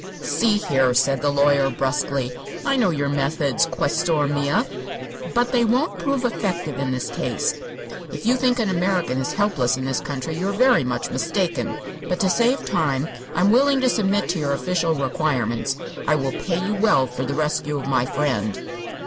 "See here," said the lawyer, brusquely; "I know your methods, questore mia, but they won't prove effective in this case. If you think an American is helpless in this country you are very much mistaken. But, to save time, I am willing to submit to your official requirements. I will pay you well for the rescue of my friend."